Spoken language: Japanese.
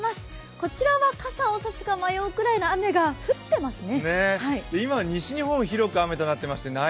こちらは傘を差すか迷うくらいの雨が降っていますね。